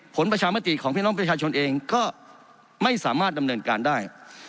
ประชามติของพี่น้องประชาชนเองก็ไม่สามารถดำเนินการได้